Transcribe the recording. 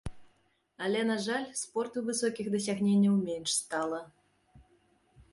Але, на жаль, спорту высокіх дасягненняў менш стала.